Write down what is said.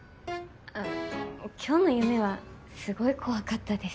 今日の夢はすごい怖かったです。